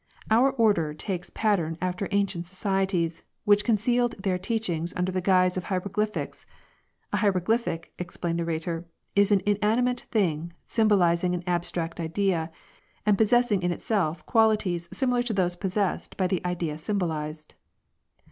Our order takes pattern after ancient societies, which concealed their teachings under the guise of hieroglyphics. A hieroglyphic," explained the Rhetor, " is an inanimate thing symbolizing an abstract idea, and possessing in itself qualities similar to those possessed by the idea symbolized."